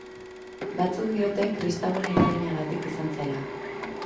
Batzuk diote kristauen eraginagatik izan zela.